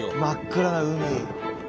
真っ暗な海。